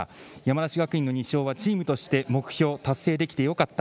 山梨学院の２勝はチームとして目標達成できてよかった。